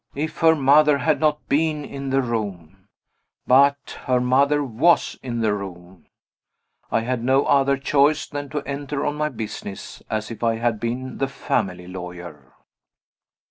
If her mother had not been in the room but her mother was in the room; I had no other choice than to enter on my business, as if I had been the family lawyer.